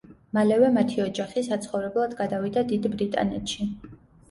მალევე მათი ოჯახი საცხოვრებლად გადავიდა დიდ ბრიტანეთში.